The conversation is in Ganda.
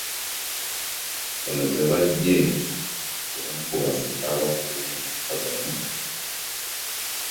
Zino ze baggye ku bamu ku bantu abakuuma amaka gano.